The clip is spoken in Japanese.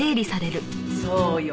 そうよ